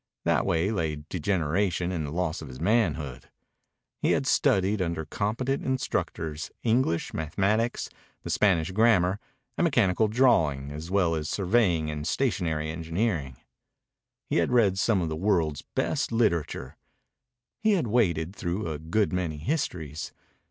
That way lay degeneration and the loss of his manhood. He had studied under competent instructors English, mathematics, the Spanish grammar, and mechanical drawing, as well as surveying and stationary engineering. He had read some of the world's best literature. He had waded through a good many histories.